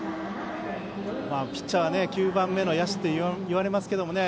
ピッチャーは９番目の野手といわれますけどね。